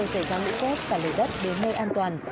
giải trang lũ cốt sả lửa đất đến nơi an toàn